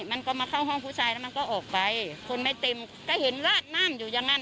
มันก็มาเข้าห้องผู้ชายแล้วมันก็ออกไปคนไม่เต็มก็เห็นราดน้ำอยู่อย่างนั้น